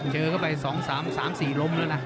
เจอก็ไปสองสามสี่ล้มแล้วนะ